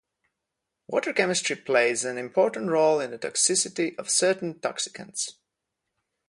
Water chemistry plays an important role in the toxicity of certain toxicants.